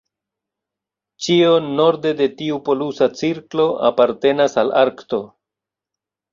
Ĉio norde de tiu polusa cirklo apartenas al Arkto.